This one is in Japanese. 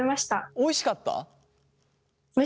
おいしかったです。